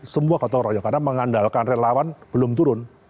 semua kata orangnya karena mengandalkan relawan belum turun